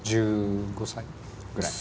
１５歳ぐらい？